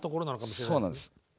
そうなんです。